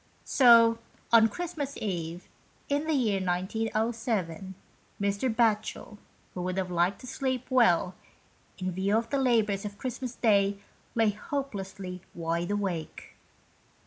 So on Christmas Eve, in the year 1907, Mr. Batchel, who would have liked to sleep well, in view of the labours of Christmas Day, lay hopelessly wide awake.